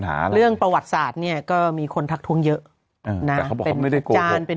แต่มีประวัติศาสตร์เนี่ยก็มีคนทักษะเชียวเยอะนะเค้าบอกไม่ได้เลยแล้ว